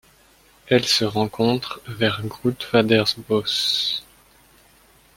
Elle se rencontre vers Grootvadersbos.